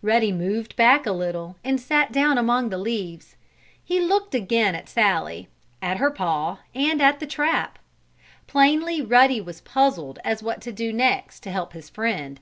Ruddy moved back a little, and sat down among the leaves. He looked again at Sallie, at her paw and at the trap. Plainly Ruddy was puzzled as to what next to do to help his friend.